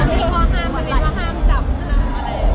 ไม่หรอกนะมีนว่าห้ามจับมันแหละ